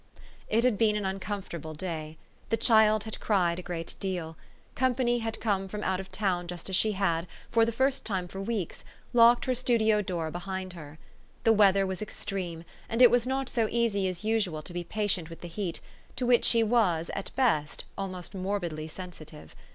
It had been an uncomfortable day. The child had cried a great deal. Company had come from out of town just as she had, for the first time for weeks, locked her studio door behind her. The weather was extreme ; and it was not so easy as usual to be patient with the heat, to which she was, at best, almost morbidly sensitive.